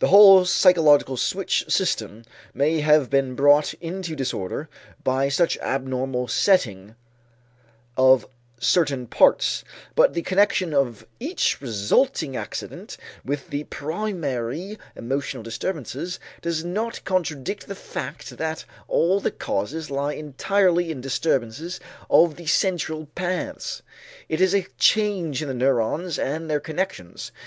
The whole psychological switch system may have been brought into disorder by such abnormal setting of certain parts, but the connection of each resulting accident with the primary emotional disturbances does not contradict the fact that all the causes lie entirely in disturbances of the central paths. It is a change in the neurons and their connections.